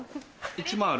１万ある？